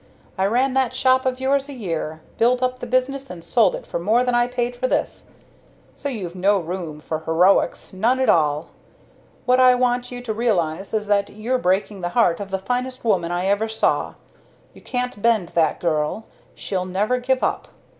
I ran that shop of yours a year built up the business and sold it for more than I paid for this. So you've no room for heroics none at all. What I want you to realize is that you're breaking the heart of the finest woman I ever saw. You can't bend that girl she'll never give up.